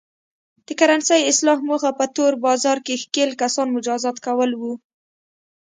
د کرنسۍ اصلاح موخه په تور بازار کې ښکېل کسان مجازات کول و.